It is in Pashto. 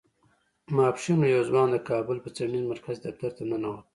ماسپښين و يو ځوان د کابل په څېړنيز مرکز کې دفتر ته ننوت.